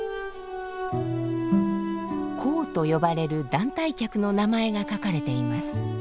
「講」と呼ばれる団体客の名前が書かれています。